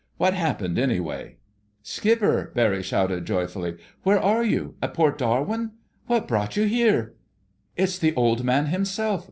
What happened, anyway?" "Skipper!" Barry shouted joyfully. "Where are you—at Port Darwin? What brought you here—" "It's the Old Man himself!"